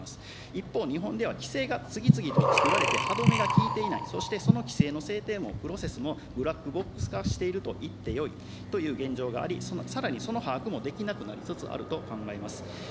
一方、日本では規制が次々とつくられて歯止めがきいていない、そしてその規制の制定もプロセスも、ブラックボックス化しているといってよいという現状があり、さらにその把握もできなくなりつつあると考えます。